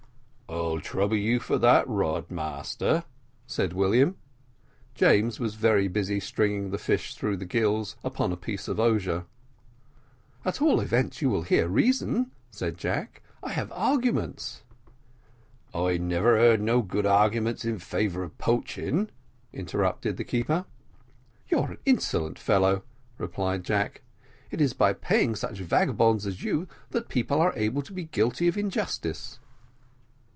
"I'll trouble you for that rod, master," said William. James was very busy stringing the fish through the gills upon a piece of osier. "At all events you will hear reason," said Jack. "I have arguments " "I never heard no good arguments in favour of poaching," interrupted the keeper. "You're an insolent fellow," replied Jack. "It is by paying such vagabonds as you that people are able to be guilty of injustice."